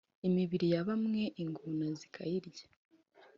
imibiri ya bamwe ingona zikayirya